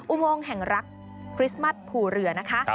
อุโมงแห่งรักคริสต์มัสภูเรือนะคะ